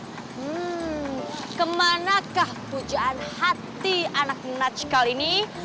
hmm kemanakah pujaan hati anak najkal ini